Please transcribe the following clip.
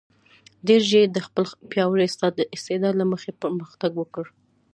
ډېر ژر یې د خپل پیاوړي استعداد له مخې پرمختګ وکړ.